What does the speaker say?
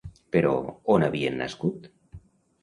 Però, on havien nascut?